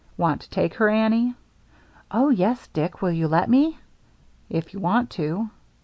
"Want to take her, Annie?" "Oh, yes, Dick. Will you let me?" " If you want to."